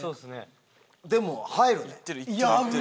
でも入るね。